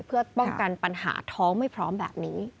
เพื่อป้องกันปัญหาท้องไม่พร้อมแบบนี้